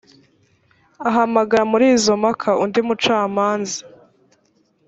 ahamagara muri izo mpaka undi mucamanza.